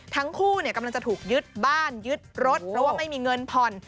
ทั้งคู่เนี่ยกำลังจะถูกยึดบ้านยึดรถเพราะว่าไม่มีเงินผ่อน